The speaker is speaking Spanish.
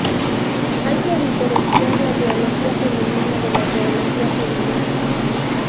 Hay que diferenciar la teología femenina de la teología feminista.